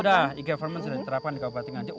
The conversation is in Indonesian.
sudah e government sudah diterapkan di kabupaten nganjuk